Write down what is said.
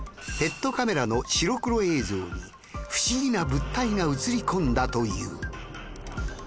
ペットカメラの白黒映像に不思議な物体が映り込んだという。